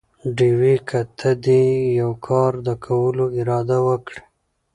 ډېوې!! که ته دې يوه کار د کولو اراده وکړي؟